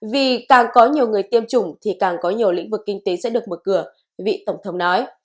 vì càng có nhiều người tiêm chủng thì càng có nhiều lĩnh vực kinh tế sẽ được mở cửa vị tổng thống nói